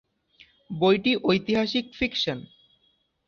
বইটি ঐতিহাসিক ফিকশন।